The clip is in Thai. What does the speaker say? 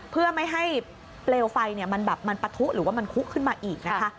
เพื่อไม่ให้เปลวไฟมันแบบมันปะทุหรือว่ามันคุขึ้นมาอีกนะคะ